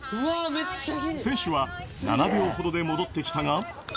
選手は７秒ほどで戻ってきたが。